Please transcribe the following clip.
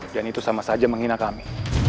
dan itu sama saja menghina kami